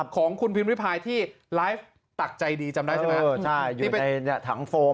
ของคุณพิมริพายที่ไลฟ์ตักใจดีจำได้ใช่มั้ยครับ